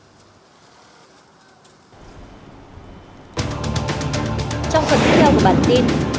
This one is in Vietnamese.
trong phần tiếp theo của bản tin